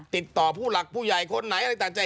ติดต่อผู้หลักผู้ใหญ่คนไหนอะไรต่างใจ